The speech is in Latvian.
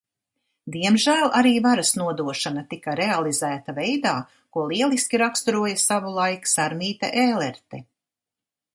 Diemžēl arī varas nodošana tika realizēta veidā, ko lieliski raksturoja savulaik Sarmīte Ēlerte.